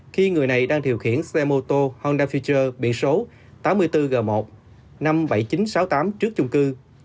khi người này đang điều khiển xe mô tô honda futer biển số tám mươi bốn g một năm mươi bảy nghìn chín trăm sáu mươi tám trước chung cư